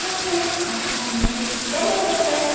これからもしっかりお支えします。